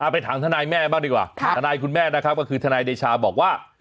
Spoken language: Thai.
ไปถามทนายแม่บ้างดีกว่าทนายคุณแม่นะครับก็คือทนายเดชาบอกว่า